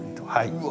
うわ。